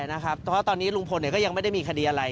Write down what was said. เพราะว่าตอนนี้ลุงพลก็ยังไม่ได้มีคดีอะไร